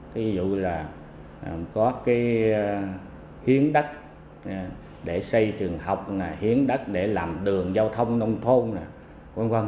ví dụ là có hiến đất để xây trường học hiến đất để làm đường giao thông nông thôn